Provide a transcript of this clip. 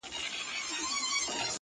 خدايه دا ټـپه مي په وجود كـي ده _